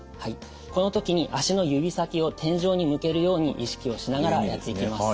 この時に足の指先を天井に向けるように意識をしながらやっていきます。